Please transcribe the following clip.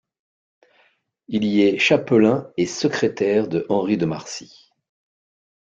Il y est chapelain et secrétaire de Henri de Marcy.